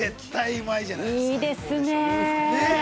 いいですね。